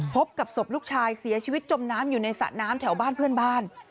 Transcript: พบกับศพลูกชายเสียชีวิตจมน้ำอยู่ในสระน้ำแถวบ้านเพื่อนบ้าน